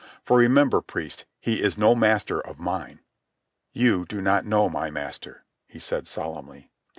For remember, priest, he is no master of mine." "You do not know my master," he said solemnly.